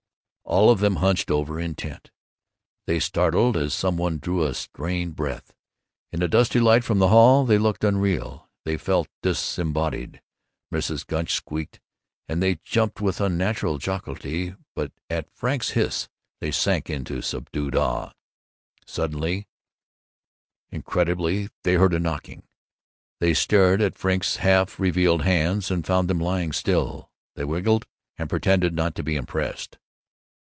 All of them hunched over, intent. They startled as some one drew a strained breath. In the dusty light from the hall they looked unreal, they felt disembodied. Mrs. Gunch squeaked, and they jumped with unnatural jocularity, but at Frink's hiss they sank into subdued awe. Suddenly, incredibly, they heard a knocking. They stared at Frink's half revealed hands and found them lying still. They wriggled, and pretended not to be impressed.